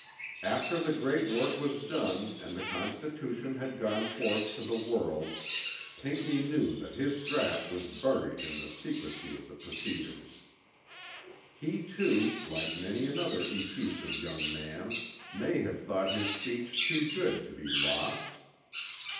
After the great work was done and the Constitution had gone forth to the world Pinckney knew that his draught was buried in the secrecy of the proceedings. He too, like many another effusive young man, may have thought his speech too good to be lost.